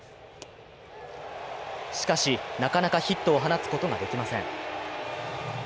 しかし、なかなかヒットを放つことができません。